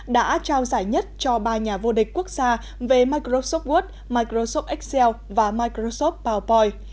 đã trao giải nhất cho ba nhà vô địch quốc gia về microsoft word microsoft excel và microsoft paupoi